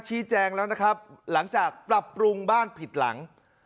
ชี้แจงแล้วนะครับหลังจากปรับปรุงบ้านผิดหลัง